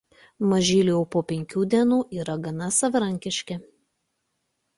Mažyliai jau po penkių dienų yra gana savarankiški.